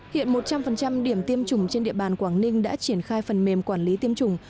hiện một trăm linh điểm tiêm chủng trên địa bàn quảng ninh đã triển khai phần mềm quản lý tiêm chủng